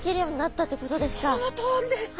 そのとおりです。